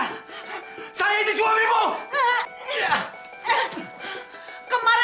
nunik keluar nunik keluar